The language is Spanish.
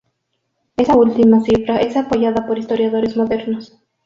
Esa última cifra es apoyada por historiadores modernos.